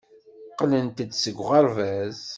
Qqlent-d seg uɣerbaz.